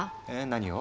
何を？